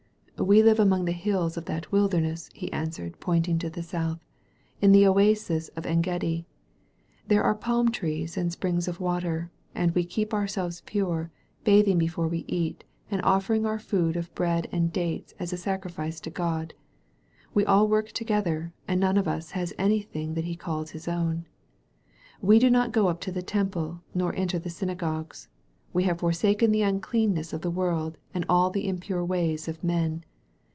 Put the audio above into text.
'*'* We live among the hills of that wilderness," he answered, pointing to the south, *'in the oasis of Engedi. There are palm trees and springs of water, and we keep ourselves pure, bathing before we eat and offering our food of bread and dates as a sacri fice to Grod. We all work together, and none of us has anything that he calls his own. We do not go up to the Temple nor enter the synagogues. We have forsaken the uncleanness of the world and all the impure ways of men.